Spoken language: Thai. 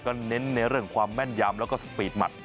เน้นในเรื่องความแม่นยำแล้วก็สปีดหมัด